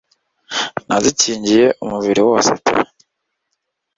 nazikingiye umubiri wose pe